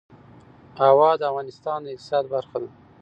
هوا د افغانستان د اقتصاد برخه ده.